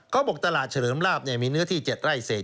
เขาบอกตลาดเฉลิมลาบมีเนื้อที่๗ไร่เศษ